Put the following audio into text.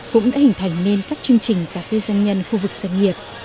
cũng đã hình thành nên các chương trình cà phê doanh nhân khu vực doanh nghiệp